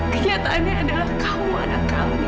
kenyataannya adalah kamu adalah anak kami